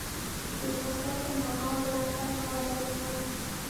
د فرصت پر مهال د راتګ وعده وکړه.